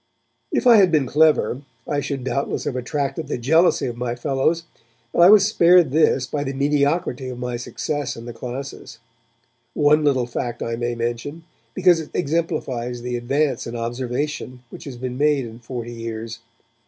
If I had been clever, I should doubtless have attracted the jealousy of my fellows, but I was spared this by the mediocrity of my success in the classes. One little fact I may mention, because it exemplifies the advance in observation which has been made in forty years.